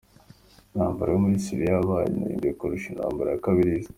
Intambara yo muri Syria yabaye ndende kurusha intambara ya kabiri y'isi.